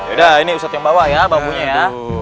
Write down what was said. yaudah ini ustadz yang bawa ya bambunya ya